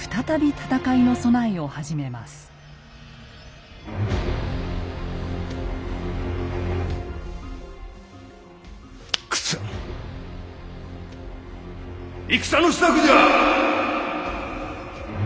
戦の支度じゃ！